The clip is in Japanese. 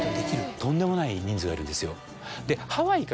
とんでもない人数がいるんですよ。